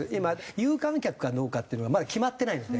有観客かどうかっていうのがまだ決まってないんですね。